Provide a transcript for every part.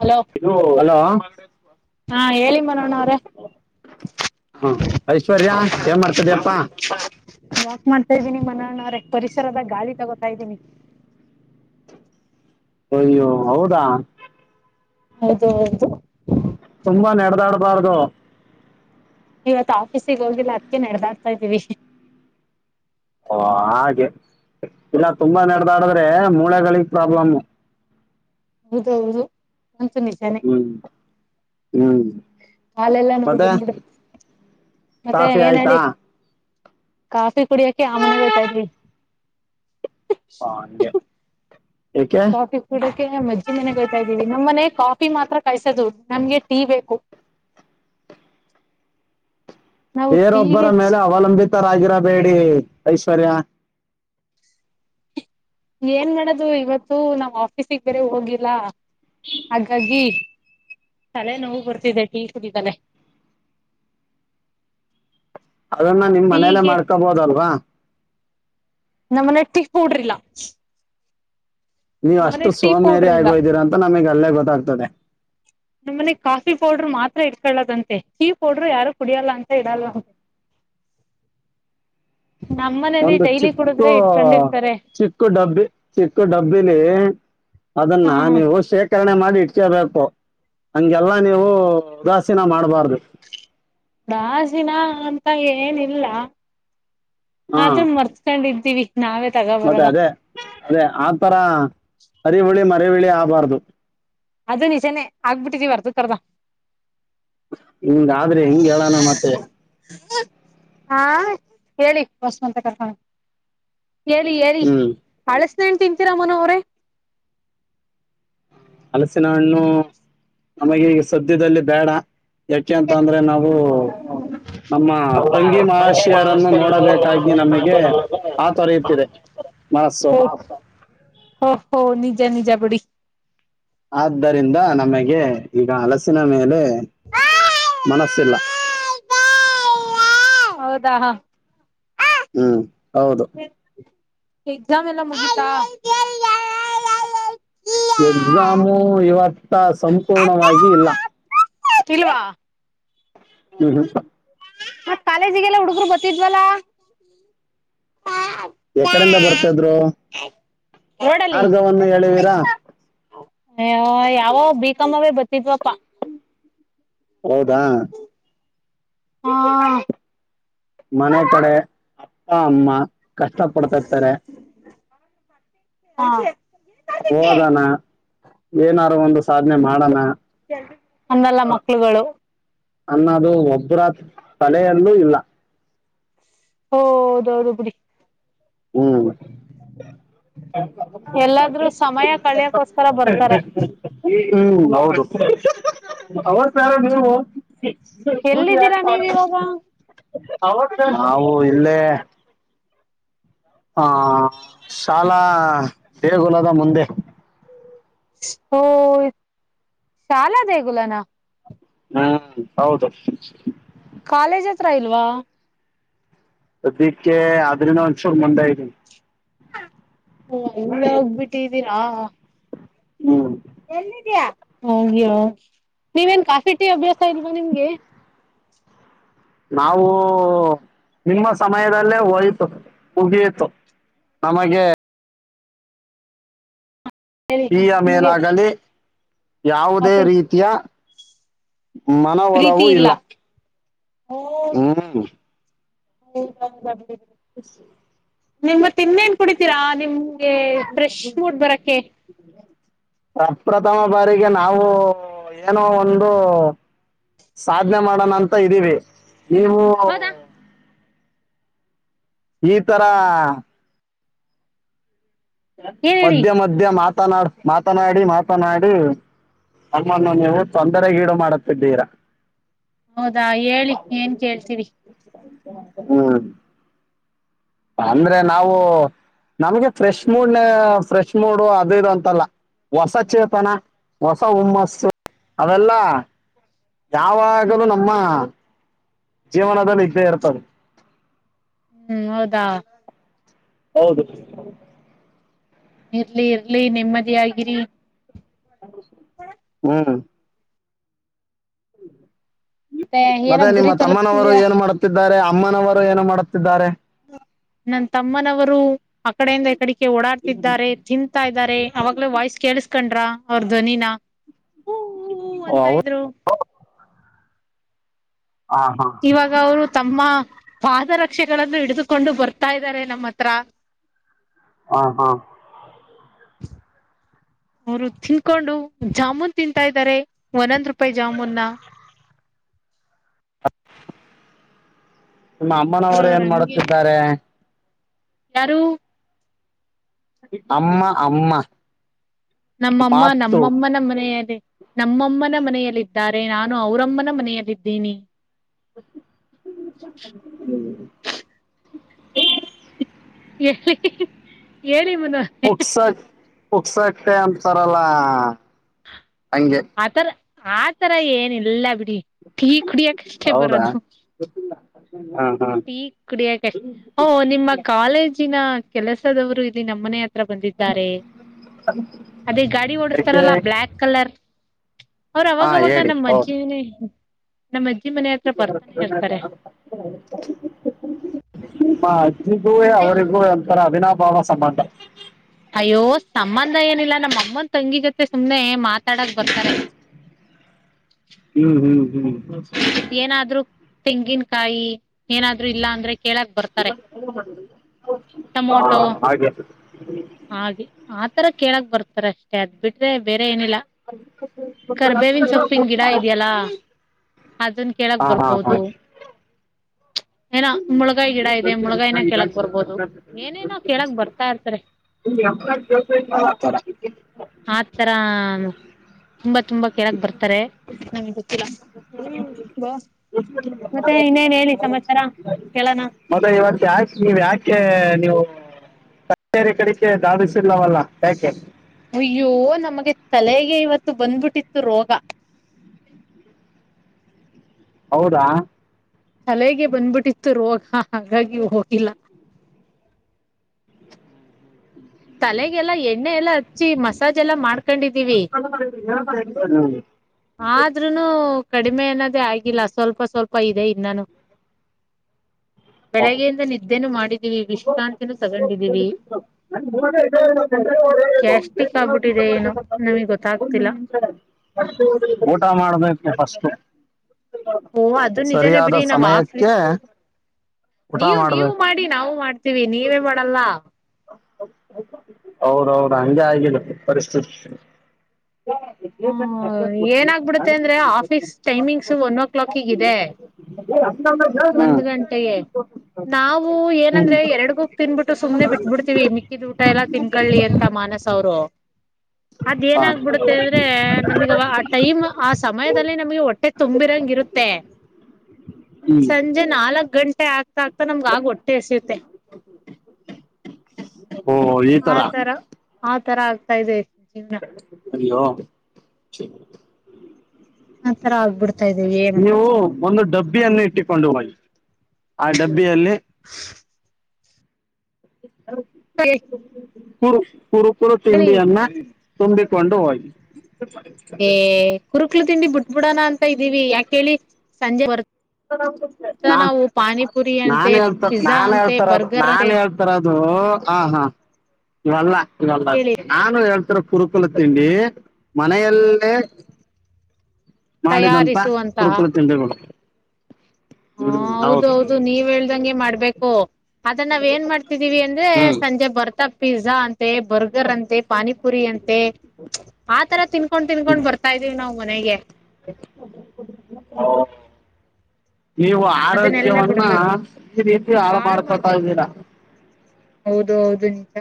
Hello ಇದು ಹೊಲ. ಹಾ ಹೇಳಿ ಮನು ಅಣ್ಣ ಅವ್ರೆ. [inaudible] ಐಶ್ವರ್ಯ ಏನ್ ಮಾಡ್ತಿದ್ಯಪ್ಪಾ ವಾಕ್ ಮಾಡ್ತಾ ಇದೀನಿ ಮನು ಅಣ್ಣ ಅವ್ರೆ. ಪರಿಸರದಗಾಳಿ ತಗೋತಾ ಇದ್ದೀನಿ. ಅಯ್ಯೋ! ಹೌದಾ- ಹೌದು, ಹೌದು ತುಂಬಾ ನೆಡದಾಡಬಾರ್ದು. ಇವತ್ ಆಫೀಸಿಗೆ ಹೋಗಲ್ಲ ಅದಕ ನಡೆದಾಡ್ತಾ ಇದ್ದೀವಿ. ಓ, ಹಾಗೆ ಇಲ್ಲ ತುಂಬಾ ನಡೆದಾಡಿದ್ರೆ ಮೂಳೆಗಳಿಗೆ ಪ್ರಾಬ್ಲಮ್ಮು. ಹೌದೌದು, ಅಂತುನಿಜಾನೆ. ಹ್ಮ್ ಹ್ಮ್ ಕಾಲೆಲ್ಲ ನೋ ಮತ್ತೆ ಬಂದ್ಬಿದೆ. ಮತ್ತೆ ಕಾಫಿ ಏನ್ ಆಯ್ತಾ ಹೇಳಿ- ಕಾಫಿ ಕುಡಿಯಕೆ ಆಮನೆಗೆ ಹೋಯ್ತ ಇದೀನಿ. ಹಾ [inaudible] ಕಾಫಿ ಕೂಡ [unintelligible] ಅಜ್ಜಿ ಮನೆ ಹೋಯ್ತಾ ಇದ್ದೀವಿ. ನಮ್ಮ್ ಮನೆ ಕಾಫಿ ಮಾತ್ರ ಕಾಯಸೋದು ನಮ್ಗೆ ಟೀ ಬೇಕು. [inaudible] ನಾವು ಬೇರೊಬ್ಬರ ಟೀಗೆ ಮೇಲೆ ಅವಲಂಬಿತರಾಗಿರಬೇಡಿ ಐಶ್ವರ್ಯ. ಏನ್ ಮಾಡದು ಇವತ್ತು ನಾವ್ ಆಫೀಸಿಗೆ ಬೇರೆ ಹೋಗಿಲ್ಲ. ಹಾಗಾಗಿ- ತಲೆ ನೋವು ಬರ್ತಿದ್ದೆ ಟೀ ಕುಡಿದಲೆ. ಅದನ್ನ ನಿಮ್ ಮನೇಲ್ಲ ಟೀಗೆ ಮಾಡ್ಕೊಬೋದಲ್ವಾ., ನಮ್ಮನಟ್ಟಗ್ ಪೂಡ್ರಿಲ್ಲ [unintelligible] ನೀವ ಅಷ್ಟು ಸೋಮೇರಿ ಪೌಡ್ರ್ ಇಲ್ಲ ಆಗೋಗಿದೀರಾ ಅಂತ ನಮಗ್ ಅಲ್ಲೇ ಗೊತ್ತಾಗ್ತದೆ. ನಮ್ಮನೆ ಕಾಫಿ ಪೌಡರ್ ಮಾತ್ರ ಇಟ್ಕೊಳ್ಳದಂತೆ. ಟೀ ಪೌಡ್ರ ಯಾರು ಕುಡಿಯಲ್ಲ ಅಂತ ಇಡಲ್ ಹ [inaudible] ನಮ್ಮನೇಲಿ ಒಂದು ಡೈಲಿ ಚಿಕ್ಕ, ಕುಡುದ್ರೆ ಇಡ್ಕೊಂಡಿರ್ತಾರೆ ಚಿಕ್ಕ ಡಬ್ಬಿ -ಚಿಕ್ಕ ಡಬ್ಬಲಿ ಅದನ್ನ ಹಾ ನೀವು ಶೇಖರಣೆ ಮಾಡಿ- ಇ ಬೇಕು ಹಂಗೆಲ್ಲಾ ನೀವು ಉದಾಸೀನ ಮಾಡಬಾರ್ದು. ಉದಾಸಿನ ಅಂತ ಏನಿಲ್ಲ. ಹಾ ಅದನ್ ಮರ್ತ್ಕೊಂಡಿದ್ದೀವಿ ನಾವೇ ತಗೋ ಮತ್ತೆ ಬರದ. ಅದೇ ಅದೇ ಆತರ ಹರಿಹುಳಿ, ಮರಿ ಹುಳಿ ಆಗಬಾರ್ದು. ಅದು ನಿಜಾನೇ ಆಗ್ಬಿಟ್ಟಿದೀವಿ ಅರ್ದ -ಮರ್ದ ಹಿಂಗಾದ್ರೆ ಹೆಂಗ ಹೇಳಣ ಮತ್ತೆ, ಹಾ, ಹೇಳಿ ಬಸ್ಮಂತ ಕರ್ಕೊಂಡ [unintelligible] ಹೇಳಿ ಹ್ಮ್ -ಹೇಳಿಅಳಸನಣು ತಿಂತೀರ ಮನು ಅವ್ರೇ, ಹಲಸಿನ ಹಣ್ಣು ನಮಗೆ ಈಗ ಸದ್ಯದಲ್ಲಿ ಬೇಡ. ಯಾಕೆಂತಂದ್ರೆ ನಾವು ನಮ್ಮ ತಂಗಿ ಮಹಾಶಿಯರನ್ನು ನೋಡಬೇಕಾಗಿ., - ನಮಗೆಆ ತುರೆಯುತ್ತಿದೆ. ಹ ಹ, ಓಹೋ ನಿಜ- ನಿಜ ಬಿಡಿ. ಆದ್ದರಿಂದ ನಮಗೆ ಈಗ ಹಲಸಿನ ಮೇಲೆ ಮನಸ್ಸಿಲ್ಲ [inaudible] ಹೌದಾ, ಹ ಹ್ಮ್, ಹೌದು ಎಕ್ಸಾಮ್ ಎಲ್ಲ ಮಾಗೀತಾ, ಎಕ್ಸಾಮು ಇವತ್ತ ಸಂಪೂರ್ಣವಾಗಿ ಇಲ್ಲ. ತಿರಿವಾ [unintelligible] ಹ್ಮ್ ಹ್ಮ [inaudible] ಮತ್ತಕಾಲೇಜಿಗೆಲ್ಲ ಹುಡುಗರು ಬರ್ತಿದ್ವಲ್ಲಾ. ಎಕಡಿಂದ ಬರ್ತದ್ರು ರೋಡಲ್ಲಿ ಮಾರ್ಗವನ್ನು ಹೇಳಿವೀರಾ. ಅಯ್ಯೋ, ಯಾವೋ ಬಿಕಾಮಾವೇ ಬರ್ತಿದ್ವಪಾ. ಹೌದಾ, ಹಾ,, ಮನೆ ಕಡೆ ಅಪ್ಪ ಅಮ್ಮ ಕಷ್ಟ ಪಡ್ತೀರ್ತಾರೆ. ಹಾ [inaudible] ಹೋಗಣ ಏನಾರು ಒಂದು ಸಾಧನೆ ಮಾಡಣ ಅಂದಲ್ಲ ಮಕ್ಳುಗಳು ಅನ್ನದು ಒಬ್ಬರ ತಲೆಯಲ್ಲೂ ಇಲ್ಲ ಹಓೌದೌದು ಬಿುಡಿ ಹ್ಮ್ ಎಲ್ಲಾದ್ರೂ ಸಮಯ ಕಳಿಯಕ್ಕೋಸ್ಕರ ಬರ್ತಾರೆ ಹ್ಮ್ ಹೌದು ಅವ ಪಾರ ನೀವು ಸಿ ಗು ಎಲ್ಲಿದ್ದೀರಾ ನೀವ್ ಇವಾಗ ಕ ಹಾವು ಇಲ್ಲೇ ಹ ಶಾಲಾ ದೇಗುಲದ ಮುಂದೆ ಹ ಶಾಲ ದ ಕುುಲನಾ ಹ್ಮ್ ಹೌದು ಕಾಲೇಜ್ ಹತ್ರ ಇಲ್ವಾ ಪ್ರದಕ್ಕೆ ಅದನ ಮನುಷುರ್ಮಟಾಯ ಹ ಇಲ್ಲೆ ಹೋಗಬಿಟ್ಟಿದ್ದೀರಾ ಹ್ಮ್ ಎಲ್ಲ ಹೋಗ್ಯ ನೀವೇನ್ ಕಾಫಿ ಟೀ ಅಭ್ಯಾಸ ಇದೀವಾ ನಿಮ್ಗೆ ನಾವು ನಿಮ್ಮ ಸಮಯದಲ್ಲೇ ಹೋಯ್ತು ಉಗಿಯತು ನಮಗೆ ಹೇಳಿ ಈಯ ನಿಮ್ಗೆ ಮೇಲಾಗಲಿ ಯಾವುದೇ ಕಾಫಿ ರೀತಿಯ ಮನವಲವೂ ಇಲ್ಲ ಹ್ ಹ್ಮ್ ಹೌದ ಹೌದೌದು ಹ ನಿಮ್ ಇನ್ನೇನ್ ಕುಡಿತೀರಾ ನಿಮ್ಗೆ ಫ್ರೆಶ್ ಮೂಡ್ ಬರಕೆ ಪ್ರಪ್ರಥಮ ಬಾರಿಗೆ ನಾವು ಏನೋ ಒಂದು ಸಾಧನೆ ಮಾಡೋಣ ಅಂತ ಇದ್ದೀವಿ ನೀವು ಹೌದಾ ಈ ತರ ಏನ್ ಹೇಳಿ ಮಧ್ಯ ಮಧ್ಯ ಮಾತನಾಡ್ ಮಾತನಾಡಿ ಮಾತನಾಡಿ ಅಮ್ಮನ್ನು ನೀವು ತೊಂದರೆಗೀಡು ಮಾಡುತ್ತಿದ್ದೀರಾ ಹೌದಾ ಹೇಳಿ ಏನ್ ಕೇಳ್ತೀವಿ ಹ್ಮ್ ಅಂದ್ರೆ ನಾವು ನಮ್ಗೆ ಫ್ರೆಶ್ ಮೂಡ್ನ ಫ್ರೆಶ್ ಮೂಡ್ ಅದು ಇದು ಅಂತಲ್ಲ ಹೊಸ ಚೇತನ ಹೊಸ ಹುಮ್ಮಸ್ಸು ಅವೆಲ್ಲಾ ಯಾವಾಗಲೂ ನಮ್ಮ ಜೀವನದಲ್ಲಿ ಇಗ್ದೇ ಇರ್ತದೆ ಹ್ಮ್ ಹೌದಾ ಹೌದು ಇರ್ಲಿ ಇರ್ಲಿ ನೆಮ್ಮದಿ ಆಗಿರಿ ಹ್ಮ್ ಏನೋ ಮತ್ತೆ ನಿಮ್ಮ ಗುರಿ ತಮ್ಮನವರು ತಲುಪ್ತಿದೀರಾ ಏನ್ ಮಾಡುತ್ತಿದ್ದಾರೆ ಅಮ್ಮನವರು ಏನು ಮಾಡುತ್ತಿದ್ದಾರೆ ನನ್ ತಮ್ಮನವರು ಆಕಡೆಯಿಂದ ಎಕಡಿಕ ಓಡಾಡ್ತಿದ್ದಾರೆ ತಿಂತಂತಾ ಇದ್ದಾರೆ ಅವಾಗ್ಲೇ ವಾಯ್ಸ್ ಕೇಳ ಕೊಂಡ್ರಾ ಅವ್ರ ಧ್ವನಿನ ಹೂ ಹೂ ಹ ಅಂತ ಅವ ಇದ್ರು ಇವಾಗ ಅವರು ತಮ್ಮ ಪಾದರಕ್ಷೆಗಳನ್ನು ಹಿಡಿದುಕೊಂಡು ಬರ್ತಾ ಇದ್ದಾರೆ ನಮ್ಮ ಹತ್ರ ಹಾ ಹಾ ಅವರು ತಿನ್ಕೊಂಡು ಜಾಮೂನ್ ತಿಂತಾ ಇದ್ದಾರೆ ಒಂದೊಂದ್ ರೂಪಾಯಿ ಜಾಮೂನ್ ನಿಮ್ಮ ಅಮ್ಮನವರು ಅವ್ರವ್ರ ಏನ್ ಹಂಗೆ ಮಾಡುತ್ತಿದ್ದಾರೆ ಯಾರು ಅಮ್ಮ ಅಮ್ಮ ನಮ್ಮಮ್ಮ ಮಾತು ನಮ್ಮಮ್ಮ ನಮ್ಮ ಮನೆಯಲ್ಲಿ. ನಮ್ಮಮ್ಮನ ಮನೆಯಲ್ಲಿದ್ದಾರೆ ನಾನು ಅವರಮ್ಮನ ಮನೆಯಲ್ಲಿದ್ದೀನಿ. [inaudible] ಹಾ ಹಾ ಹೆ ಪ್ರಕ್ಸ ಪ್ರಕ್ಸಟೆ ಅಂತಾರಲ್ಲ. ಹಂಗೆ ಅತರ ಆತರ ಏನಿಲ್ಲ ಬಿ ಡಿ ಟೀ ಕುಡ್ಯಕ್ ಅಷ್ಟೇ ಹೌದಾ ಬರದು. ಹಾ ಹಾ ಟೀ ಕುಡಿಯಕಷ್ಟೆ ಓ ನಿಮ್ಮ ಕಾಲೇಜಿನ ಕೆಲಸದವ್ರು ಇಲ್ಲಿ ನಮ್ಮನೆ ಹತ್ರ ಬಂದಿದ್ದಾರೆ ಅದೇ ಗಾಡಿ ಯಾಕೆ ಓಡಸ್ತಾರಲ್ಲ ಬ್ಲ್ಯಾಕ್ ಕಲರ್. ಅವ್ರ ಹಾ ಅವಾಗವಾಗ ಹೇಳಿ ನಮ್ಮ್ ಅಜ್ಜಿನಿ ನಮ್ಮಜ್ಜಿ. [unintelligible] ನಿಮ್ಮಾ ಅಜ್ಜಿಗೂವೆ ಅವರಿಗೂ ಒಂಥರ ಅವಿನಾಭಾವ ಸಂಬಂಧ. ಅಯ್ಯೋ ಸಂಬಂಧ ಏನಿಲ್ಲ ನಮ್ಮ ಅಮ್ಮನ್ ತಂಗಿ ಜೊತೆ ಸುಮ್ನೆ ಮಾತ್ ತಡಕ್ ಬರ್ತಾರೆ. ಹ್ಮ್ ಹ್ಮ್ ಹ್ಮ್ ಏನಾದ್ರು ತೆಂಗಿನಕಾಯಿ ಏನಾದ್ರು ಇಲ್ಲ ಅಂದ್ರೆ. ಕೇಳಕ್ ಬರ್ತಾರೆ ಹಾ ಟೊಮೊಟೊ ಹಾಗೆ ಹಾಗೆ ಆತರ ಕೇಳಕ್ ಬರ್ತಾರಷ್ಟೇ ಅದ್ ಬಿಟ್ರೆ ಬೇ ಏನಿಲ್ಲ ಕರ್ಬೇವಿನ ಸೊಪ್ಪಿನ್ ಗಿಡ ಇದ್ಯಲ್ಲಾ. ಅದನ್ ಕೇಳಕ್ ಹಾ ಹಾ ಹಾ ಬರ್ಬೋದು. [unintelligible] ಏನೋ ಮುಳಗಾಯಿ ಗಿಡ ಇದೆ ಮುಳಗಾಯಿನ ಕೇಳಕ್ ಬರ್ಬೋದು ಏನೇನೋ ಕೇಳಕ್ ಬರ್ತಾ ಇರ್ತಾರೆ [unintelligible] ಆತರ ಆತರ ತುಂಬಾ ತುಂಬಾ ಕೇಳಕ್ ಬರ್ತಾರೆ ನಿಮ್ಗ ಗೊತ್ತಿಲ್ಲ. ಮತ್ತೆ ಇನ್ನೇನ್ ಹೇಳಿ ಸಮಾಚಾರ. ಕೇಳೋಣ ಮತ್ತೆ ಇವತ್ ಯಾಕೆ ನೀವ್ ಯಾಕೆ. ನೀವು ಕಚೇರಿ ಕಡೆಗೆ ಧಾವಿಸಿಲ್ಲವಲ್ಲ ಯಾಕೆ. ಅಯ್ಯೋ ನಮ್ಗೆ ತಲೆಗೆ ಇವತ್ತು ಬಂದ್ಬಿಟ್ಟಿತ್ತು ರೋಗ. [unintelligible] ಹೌದಾ ತಲೆಗೆ ಬಂದ್ಬಿಟ್ಟಿತ್ತು ರೋಗ ಹಾಗಾಗಿ ಹೋಗಿಲ್ಲ. ತಲೆಗೆಲ್ಲಾ ಎಣ್ಣೆ ಎಲ್ಲಾ ಹಚ್ಚಿ ಮಸಾಜ್ ಮಾಡ್ - - [unintelligible] ಹು ಆದ್ರೂನು ಕಡಿಮೆ ಅನ್ನದೇ ಆಗಿಲ್ಲ ಸ್ವಲ್ಪ ಸ್ವಲ್ಪ ಇದೆ ಇನ್ನಾನು. [unintelligible] ಬೆಳಗ್ಗೆಯಿಂದ ನಿದ್ದೆನು ಮಾಡಿದೀವಿ ವಿಶ್ರಾಂತಿನೂ ತಗೊಂಡಿದೀವಿ ಗ್ಯಾಸ್ಟ್ರಿಕ್ ಆಗ್ಬಿಟ್ಟಿದೆ ಏನೋ ನಮಗ್ ಗೊತ್ತಾಗ್ತಿಲ್ಲ [unintelligible] ಊಟ ಮಾಡ್ಬೇಕು ಫಸ್ಟು. ಓ ಅದು ನಿಜಾನೇ ಸರಿಯಾದ ಸಮಯಕ್ಕೆ ಊಟ ನೀವ್ ನೀವು ಮಾಡ್ಬೇಕು ಮಾಡಿ ನಾವು ಮಾಡ್ತೀವಿ ನೀವೇ ಮಾಡಲ್ಲ. ಹೌದೌದ್ ಅಂಗೆ ಆಗಿದೆ ಪರಿಸ್ಥಿತಿ. ಹ ಏನಾಗ್ಬಿಡುತ್ತೆ ಅಂದ್ರೆ ಆಫೀಸ್ ಟೈಮಿಂಗ್ಸ್ ಒನ್ ಓ ಕ್ಲಾಕಿಗೆ ಇದೆ [unintelligible] ಒಂದ್ ಗಂಟೆಗೆ ನಾವು ಹ್ಮ್ ಹ್ಮ್ ಏನಂದ್ರೆ ಎರಡ್ ಗುಕ್ ತಿನ್ಬಿಟ್ಟು ಸುಮ್ನೆ ಬಿಟ್ಬಿಡ್ ತಿವಿ ಮಿಕ್ಕಿದ್ ಊಟ ಎಲ್ಲಾ ತಿನ್ಕೊಳ್ಳಿ ಅಂತ ಮಾನಸ ಅವ್ರು. [inaudible] ಅದೆನಾಗ್ ಆಗ್ಬಿಡುತ್ತೆ ಅಂದ್ರೆ ನಮಿಗ್ ಆ ಟೈಮ್ ಆ ಸಮಯದಲ್ಲಿ ನಮಗೆ ಹೊಟ್ಟೆ ತುಂಬಿರಂಗ ಇರುತ್ತೆ. [unintelligible] [inaudible] ಸಂಜೆ ನಾಲ್ಕ್ ಗಂಟೆ ಆಗ್ತಾ ಆಗ್ತಾ ನಮ್ಗ ಆಗ ಹೊಟ್ಟೆ ಎಸಿಯುತ್ತೆ ಓ ಈತರ ಆ ತರ ಆಗ್ತಾ ಇದೆ ಜೀವನ ಅರಿೋ ಆ ತರ ಆಗ್ಬಿಡ್ತ ನೀವು ಒಂದು ಡಬ್ಬಿಯನ್ನು ಇಟ್ಟಕೊಂಡು ಹೋಗಿ ಆ ಡಬ್ಬಿಯಲ್ಲಿ ೆ ಸರಿ ಕುರು ಕುರುಕುರು ತಿಂಡಿಯನ್ನ ತುಂಬಿಕೊಂಡು ಹೋಗಿ ಏ ಕುರುಕ್ಲು ತಿಂಡಿ ಬಿಟ್ಬಿಡೋಣ ಅಂತ ಇದ್ದೀವಿ ಯಾಕೇಳಿ ಸಂಜೆ ಬರ್ ನಾ ಪಾನಿಪುರಿ ಅಂತೆ ನಾನನ್ ಹೇಳ್ತ ಪಿಜ್ಜಾ ನಾನ್ ಅಂತೆ ಹೇಳ್ತಾರದು ಬರ್ಗರ್ ಅಂತೆ ನಾನ್ ಹೇಳ್ತಾರದು ಹ ಹಾ ಇವಲ್ಲ ಇವಲ್ಲ ಹೇಳಿ ನಾನು ಹೇ ಕುುರುಕಲ ತಿಂಡಿ ಮನೆಯಲ್ಲೇ ಮಾಡಿದ್ಂಂತ ತಯಾರಿಸುವಂತಹ ಕುುರುಕರು ತಿಂಡಿಗಳು ಹಾ ಹೌದು ಹೌದು ನೀವ್ ಹೇಳ್ದಂಗೆ ಮಾಡ್ಬೇಕು ಅದ ನಾವ್ ಏನ್ ಮಾಡ್ತಿದೀವಿ ಅಂದ್ರೆ ಹ್ಮ್ ಸಂಜೆ ಬರ್ತ ಪಿಜಜಾ ಅಂತೆ ಬರ್ಗರ್ ಅಂತೆ ಪಾನಿಪುರಿ ಅಂತೆ ಆ ತರ ತಿನ್ಕೊಂಡ್ ತಿನ್ಕೊಂಡ್ ಬರ್ತಾ್ದೀವಿ ನಾವು ಮನೆಗೆ ನೀವು ಅದನ್ನೆಲ್ಲಾ ಆರೋಗ್ಯವನ್ನ ಬಿಡ್ಬೇಕು ಈ ರೀತಿ ಹಾಳು ಮಾಡಾ್ಕೊತಾ ಇದ್ದೀರಾ ಹೌದು ಹೌದು ನಿಂತ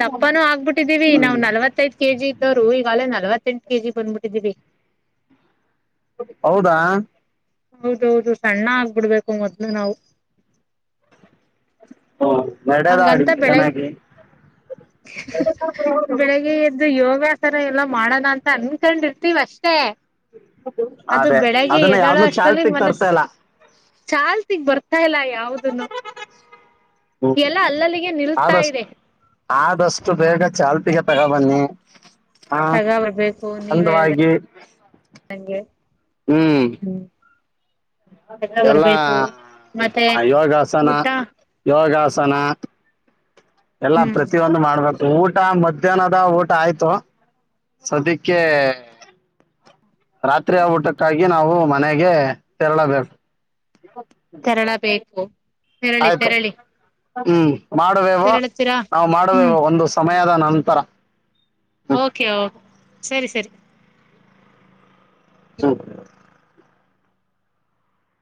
ದಪ್ಪನೂ ಆಗ್ಬಿಟ್ಟಿದ್ದೀವಿ ನಾವ್ ನಲವತ್ತೈದ್ ಕೆಜಿ ವರು ಈಗಾಗಲೇ ನಲ್ವತ್ತೆಂಟು ಕೆಜಿ ಬಂದ್ಬಿಟ್ಟಿದ್ದೀವಿ ಹೌದಾ ಹೌದೌದು ಸಣ್ಣ ಆಗ್ಬಿಡ್ಬೇಕು ಮೊದ್ಲು ನಾವು ಹಓ ನಡದ ಆಡಿ ಚೆನ್ನಾಗಿ ಬೆಳಗ್ಗೆ ಎದ್ದು ಯೋಗ ತರ ಎಲ್ಲ ಮಾಡೋಣ ಅಂತ ಅನ್ಕೊಂಡಿರ್ತೀವ ಅಷ್ಟೇ ಅದು ಅದೇ ಬೆಳಿಗ್ಗೆ ಅದನ್ನ ಎದೋಳು ಯಾವ್ದು ಅಷ್ಟಲ್ಲಿ ಚಾಲ್ತಿಗ್ ಮನಸ ತರ್ತಾ ಇಲ್ಲ ಚಾಲ್ಸಗ್ ಬರ್ತಾ ಇಲ್ಲ ಯಾವ್ದನು ಎಲ್ಲ ಹ್ಮ್ ಅಲ್ಲಲ್ಲಿಗೆ ನಿಲ್ತಾ ಆದಷ್ಟು ಇದೆ ಆದಷ್ಟು ಬೇಗ ಚಲ್ ತಗೋ ಬನ್ನಿ ಹ ಒಂದ ನಂಗೆ ಹ್ಮ್ ರಜಾ ಎಲ್ಲಾ ಬರ್ಬೇಕು ಮತ್ತೆ ಯೋಗಾಸನ ಊಟ ಯೋಗಾಸನ ಸನ್ನ ಎಲ್ಲಾ ಹ್ಮ್ ಪ್ರತಿಯೊಂದು ಮಾಡ್ಬೇಕು ಊಟ ಮಧ್ಯಾಹ್ನದ ಊಟ ಆಯ್ತು ಸದಕ್ಕೆ ರಾತ್ರಿ ಆ ಊಟಕ್ಕಾಗಿ ನಾವು ಮನೆಗೆ ತೆರಳಬೇಕು ತೆರಳ ಬು ತೆರಳಿ ಆಯ್ತು ತೆರಳಿ ಹ್ಮ್ ಮಾಡುವೇವ ತೆರಳುತ್ತೀರಾ ನಾವು ಮಾಡುವೆವ ಹ್ಮ್ ಒಂದು ಸಮಯದ ನಂತರ ಹ್ಮ್ ಓಕೆ ಸರಿ ಸರಿ ಹ ಹ್ಮ್